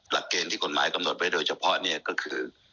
หลักเกณฑ์ที่กฎหมายกำหนดไว้โดยเฉพาะเนี่ยก็คือ